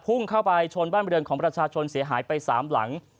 พุ่งเข้าไปชนบ้านบริเวณของประชาชนเสียหายไป๓หลัง